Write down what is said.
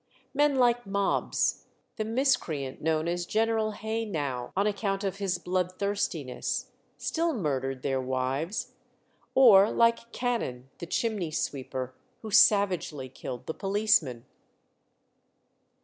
Men like Mobbs, the miscreant known as "General Haynau" on account of his blood thirstiness, still murdered their wives; or like Cannon the chimney sweeper, who savagely killed the policeman.